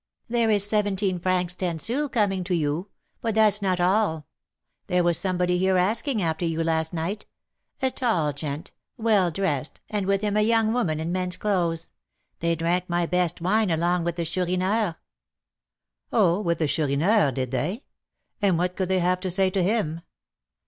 "There is seventeen francs ten sous coming to you; but that's not all. There was somebody here asking after you last night, a tall gent, well dressed, and with him a young woman in men's clothes. They drank my best wine along with the Chourineur." "Oh, with the Chourineur, did they? And what could they have to say to him?"